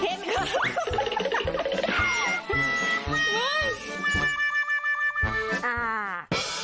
เห็นเหรอ